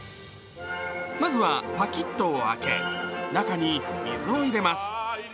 まずはパキットを開け、中に水を入れます。